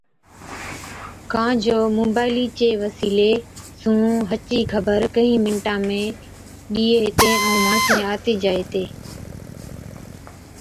ڪان جو موبائِيلِي چي وسِيلي سُون ھچ ئِي خبر ڪھِين مِنٽا ۾ ڏِيئَين ھِتين ائُون ماڻسين آتِي جائي ھِتين